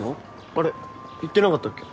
あれ言ってなかったっけ？